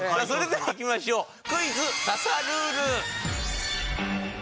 それではいきましょう。